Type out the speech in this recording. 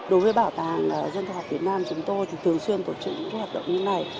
đối với bảo tàng dân tộc học việt nam chúng tôi thì thường xuyên tổ chức những hoạt động như này